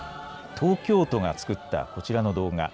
東京都が作ったこちらの動画。